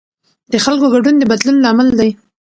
د خلکو ګډون د بدلون لامل دی